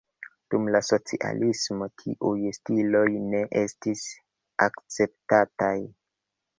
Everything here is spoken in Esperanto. Dum la socialismo tiuj stiloj ne estis akceptataj.